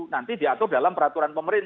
nanti diatur dalam peraturan pemerintah